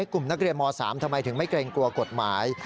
กลุ่มนักเรียนม๓ทำไมถึงไม่เกรงกลัวกฎหมาย